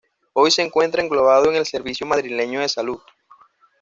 Hoy se encuentra englobado en el Servicio Madrileño de Salud.